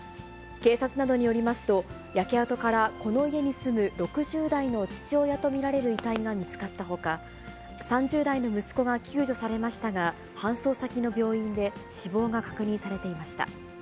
警察などによりますと、焼け跡からこの家に住む６０代の父親と見られる遺体が見つかったほか、３０代の息子が救助されましたが、搬送先の病院で死亡が確認されていました。